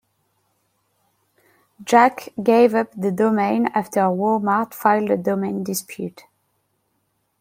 Jacques gave up the domain after Walmart filed a domain dispute.